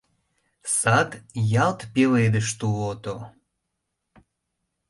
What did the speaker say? Сад — ялт пеледыш тулото.